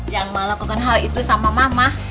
yang mau lakukan hal itu sama mama